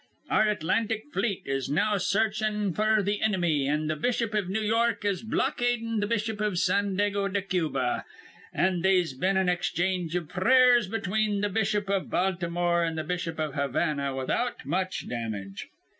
Our Atlantic fleet is now sarchin' f'r th' inimy, an' the bishop iv New York is blockadin' th' bishop iv Sandago de Cuba; an' they'se been an exchange iv prayers between th' bishop iv Baltimore an' th' bishop iv Havana without much damage.